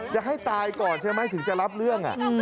จะให้ตายก่อนใช่ไหมถึงจะรับเรื่อง